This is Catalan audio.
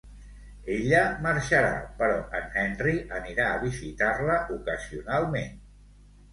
Ella marxarà, però en Henry anirà a visitar-la ocasionalment.